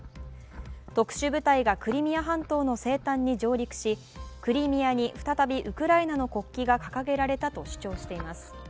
特殊部隊がクリミア半島の西端に上陸し、クリミアに再びウクライナの国旗が掲げられたと主張しています。